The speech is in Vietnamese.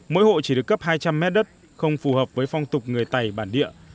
mỗi hộ chỉ được cấp hai trăm linh mét đất không phù hợp với phong tục người tày bản địa